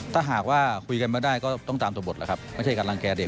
ถ้าหากว่าคุยกันไม่ได้ก็ต้องตามตัวบทแล้วครับไม่ใช่การรังแก่เด็ก